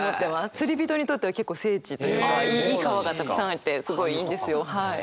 釣り人にとっては結構聖地というかいい川がたくさんあってすごいいいんですよはい。